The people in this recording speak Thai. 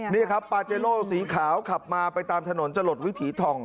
นี่ครับปาเจโลสีขาวขับมาไปตามถนนจะหลดวิถีทอง